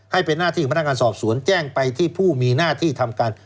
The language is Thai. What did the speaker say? ให้เป็นหน้าที่ของพนักงานสอบสวนแจ้งไปที่ผู้มีหน้าที่ทำการ